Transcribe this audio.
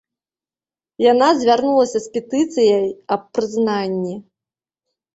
Яна звярнулася з петыцыяй аб прызнанні.